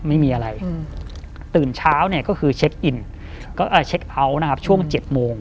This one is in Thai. ไม่มีอะไรตื่นเช้าเนี่ยก็คือเช็คอินก็เช็คเผานะครับช่วง๗โมง